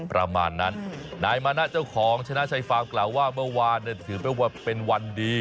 ประมาณนั้นนายมานะเจ้าของชนะชัยฟาร์มกล่าวว่าเมื่อวานถือเป็นว่าเป็นวันดี